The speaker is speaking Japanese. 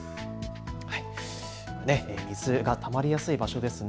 水がたまりやすい場所です。